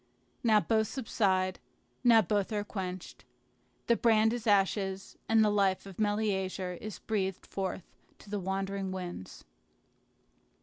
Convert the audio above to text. Now both subside; now both are quenched. The brand is ashes, and the life of Meleager is breathed forth to the wandering winds.